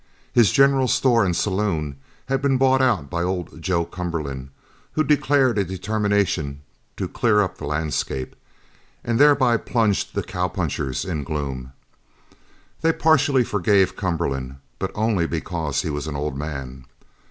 His general store and saloon had been bought out by old Joe Cumberland, who declared a determination to clear up the landscape, and thereby plunged the cowpunchers in gloom. They partially forgave Cumberland, but only because he was an old man.